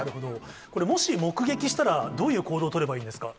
これ、もし目撃したら、どういう行動を取ればいいんですか。